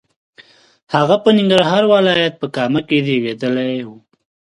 هغه په ننګرهار ولایت په کامه کې زیږېدلی و.